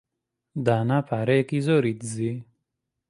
دانا پارەیەکی زۆری دزی.